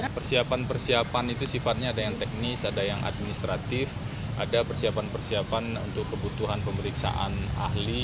persiapan persiapan itu sifatnya ada yang teknis ada yang administratif ada persiapan persiapan untuk kebutuhan pemeriksaan ahli